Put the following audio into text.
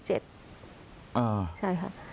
ใช่ค่ะ